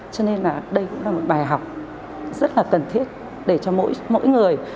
cho nên là đây cũng là một bài học rất là cần thiết để cho mỗi người